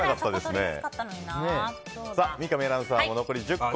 さあ、三上アナウンサーも残り１０個。